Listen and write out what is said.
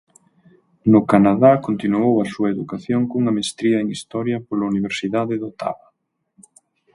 No Canadá continuou a súa educación cunha mestría en Historia pola Universidade de Otava.